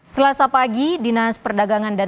selasa pagi dinas perdagangan dan